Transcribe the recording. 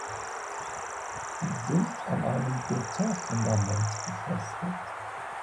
Sie sind an einem Betonfundament befestigt.